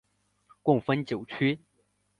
共分九区。